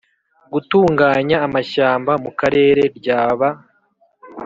gutunganya amashyamba mu Karere ryaba